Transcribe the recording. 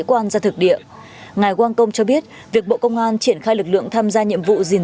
quan ra thực địa ngài wang kong cho biết việc bộ công an triển khai lực lượng tham gia nhiệm vụ dình